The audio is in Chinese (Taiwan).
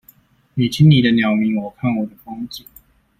你聽你的鳥鳴，我看我的風景